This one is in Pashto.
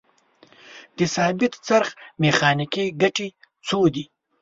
د ثابت څرخ میخانیکي ګټې څو دي؟